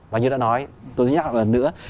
và như đã nói tôi sẽ nhắc một lần nữa